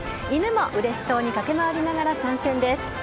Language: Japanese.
犬もうれしそうに駆け回りながら、参戦です。